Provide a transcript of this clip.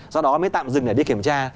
do đó mới tạm dừng để đi kiểm tra